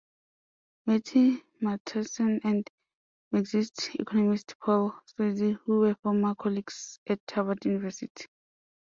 "Matty" Matthiessen and Marxist economist Paul Sweezy, who were former colleagues at Harvard University.